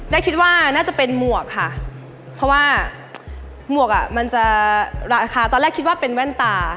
คิดว่าน่าจะเป็นหมวกค่ะเพราะว่าหมวกอ่ะมันจะราคาตอนแรกคิดว่าเป็นแว่นตา